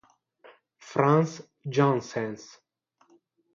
Frans Janssens